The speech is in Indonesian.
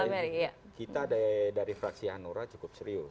saya kira begini dari fraksi hanura cukup serius